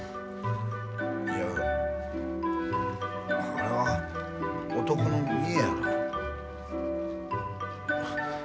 いやこれは男の見えやら。